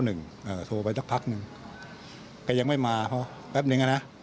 เออโทรไปสักพักนึงแต่ยังไม่มาเพราะแป๊บหนึ่งอะนะ